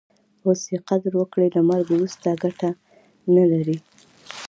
اوس ئې قدر وکړئ! له مرګ وروسته ګټه نه لري.